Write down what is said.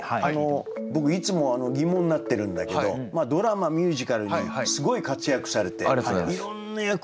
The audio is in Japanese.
僕いつも疑問になってるんだけどドラマミュージカルにすごい活躍されていろんな役を演じてるでしょ。